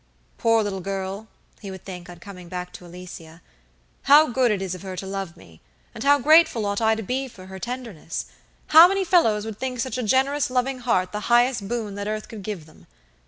"Poor little girl!" he would think on coming back to Alicia. "How good it is of her to love me, and how grateful ought I to be for her tenderness. How many fellows would think such a generous, loving heart the highest boon that earth could give them.